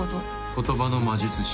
言葉の魔術師